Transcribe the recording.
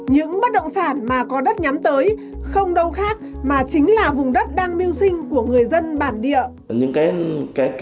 những bất động sản mà có đất nhắm tới không đâu khác mà chính là vùng đất đang mưu sinh của người dân bản địa